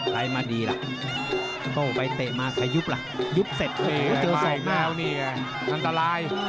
ใครมาดีล่ะโอ้ไปเตะมาใครยุบล่ะยุบเสร็จเจอสอกหน้าอันตราย